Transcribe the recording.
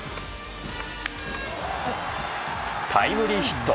タイムリーヒット。